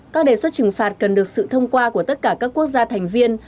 các đề xuất trừng phạt cần được sự thông qua của tất cả các quốc gia thành viên